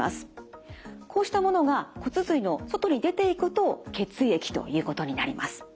こうしたものが骨髄の外に出ていくと血液ということになります。